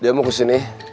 dia mau ke sini